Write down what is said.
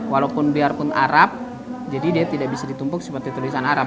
walaupun biarpun arab jadi dia tidak bisa ditumpuk seperti tulisan arab